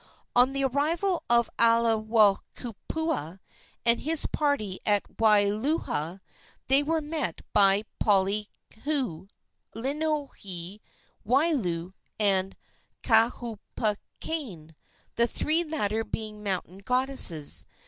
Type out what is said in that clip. On the arrival of Aiwohikupua and his party at Waiulaula they were met by Poliahu, Lilinoe, Waiau and Kahoupokane, the three latter being mountain goddesses.